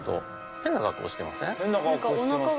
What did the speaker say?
変な格好してますね。